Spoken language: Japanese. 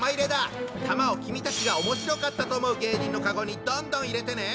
玉を君たちがおもしろかったと思う芸人のカゴにどんどん入れてね！